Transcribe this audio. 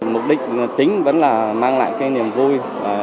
mục đích tính vẫn là mang lại cái niềm vui